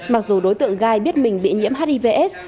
mặc dù đối tượng gai biết mình bị nhiễm hivs